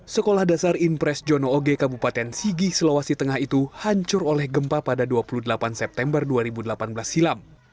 sekolah dasar impres jono oge kabupaten sigi sulawesi tengah itu hancur oleh gempa pada dua puluh delapan september dua ribu delapan belas silam